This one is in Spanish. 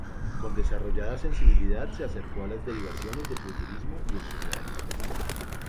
Con desarrollada sensibilidad se acercó a las derivaciones del futurismo y el surrealismo.